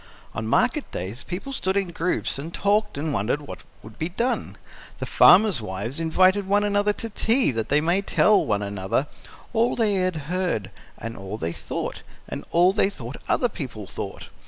On market days, people stood in groups and talked and wondered what would be done; the farmers' wives invited one another to tea that they might tell one another all they had heard and all they thought and all they thought other people thought.